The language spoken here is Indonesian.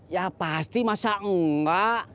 ya pasti masa enggak